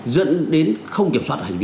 dẫn đến không kiểm soát hành vi